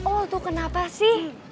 oh tuh kenapa sih